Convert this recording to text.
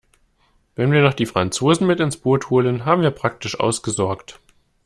Wenn wir noch die Franzosen mit ins Boot holen, haben wir praktisch ausgesorgt.